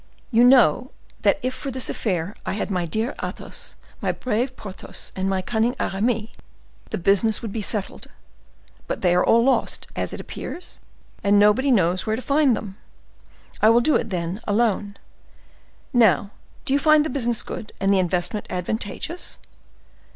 "You know that if for this affair I had my dear Athos, my brave Porthos, and my cunning Aramis, the business would be settled; but they are all lost, as it appears, and nobody knows where to find them. I will do it, then, alone. Now, do you find the business good, and the investment advantageous?"